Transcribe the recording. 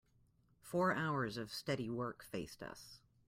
Four hours of steady work faced us.